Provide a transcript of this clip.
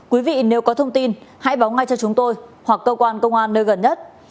quý vị nếu có thông tin hãy báo ngay cho chúng tôi hoặc cơ quan công an nơi gần nhất